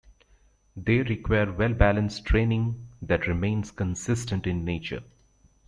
They require well-balanced training that remains consistent in nature.